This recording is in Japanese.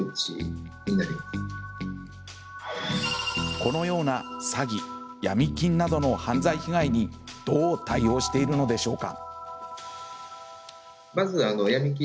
このような詐欺ヤミ金などの犯罪被害にどう対応しているのでしょうか。